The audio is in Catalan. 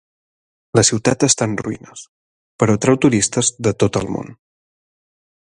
La ciutat està en ruïnes, però atrau turistes de tot el món.